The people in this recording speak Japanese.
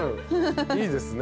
いいですね。